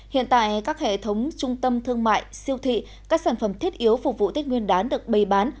hiện tại các hệ thống trung tâm thương mại siêu thị các sản phẩm thiết yếu phục vụ tết nguyên đán được bày bán